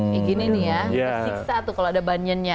ya gini nih ya disiksa tuh kalau ada bunyannya